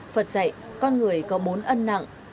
phật dạy con người có bốn ân nặng